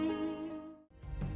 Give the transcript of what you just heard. dia juga menangis